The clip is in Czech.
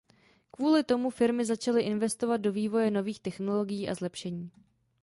Kvůli tomu firmy začaly investovat do vývoje nových technologií a zlepšení.